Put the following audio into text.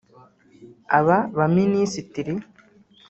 Aba baminisitiri